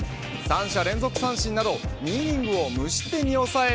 ３者連続三振など２イニングを無失点に抑え